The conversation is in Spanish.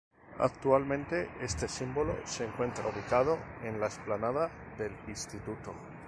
Actualmente este símbolo se encuentra ubicado en la explanada del Instituto.